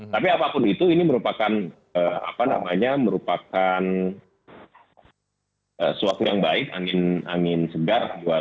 tapi apapun itu ini merupakan sesuatu yang baik angin angin segar